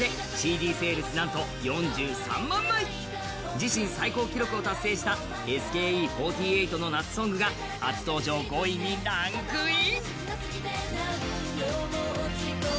自身最高記録を達成したＳＫＥ４８の夏ソングが初登場５位にランクイン。